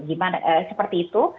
gimana seperti itu